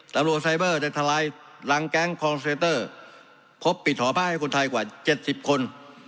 ตำรวจไซเบอร์จะทะลายหลังแก๊งพบปิดหอภาคให้คนไทยกว่าเจ็ดสิบคน